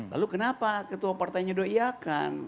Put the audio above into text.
lalu kenapa ketua partainya udah iyakan